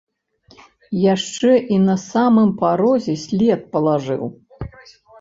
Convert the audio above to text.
Яшчэ і на самым парозе след палажыў.